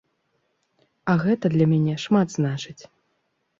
А гэта для мяне шмат значыць.